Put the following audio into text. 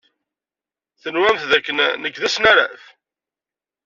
Tenwamt d akken nekk d asnaraf?